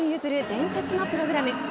伝説のプログラム